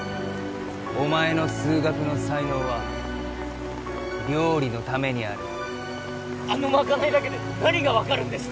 お前の数学の才能は料理のためにあるあのまかないだけで何が分かるんですか？